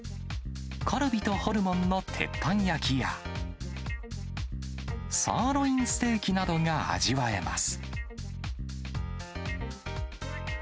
カルビとホルモンの鉄板焼きや、サーロインステーキなどが味わえます。